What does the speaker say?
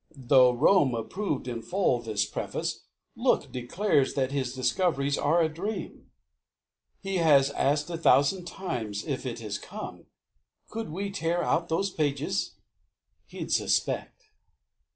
Though Rome approved in full, this preface, look, Declares that his discoveries are a dream!" "He has asked a thousand times if it has come; Could we tear out those pages?" "He'd suspect."